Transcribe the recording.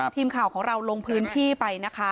ทีมข่าวของเราลงพื้นที่ไปนะคะ